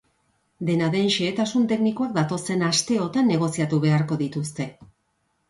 Dena den, xehetasun teknikoak datozen asteotan negoziatu beharko dituzte.